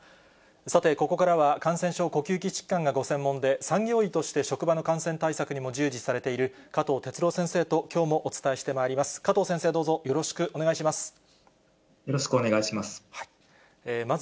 さて、ここからは感染症、呼吸器疾患がご専門で、産業医として職場の感染対策にも従事されている、加藤哲朗先生と、きょうもお伝えしてまいります。